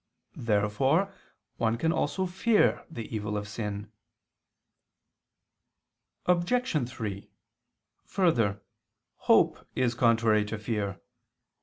Therefore one can also fear the evil of sin. Obj. 3: Further, hope is contrary to fear.